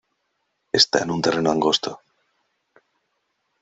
Está en un terreno angosto.